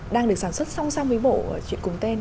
đang được sản xuất song song với bộ chuyện cùng tên